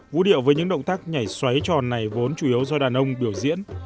vũ điệu với những động tác nhảy xoáy tròn này vốn chủ yếu do đàn ông biểu diễn